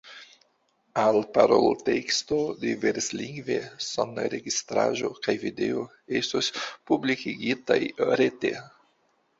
Alparolteksto diverslingve, sonregistraĵo kaj video estos publikigitaj rete.